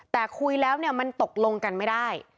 แต่คุยแล้วเนี่ยมันตกลงกันไม่ได้